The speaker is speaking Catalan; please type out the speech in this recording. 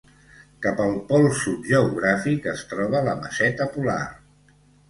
Cap al Pol Sud geogràfic es troba la Meseta Polar.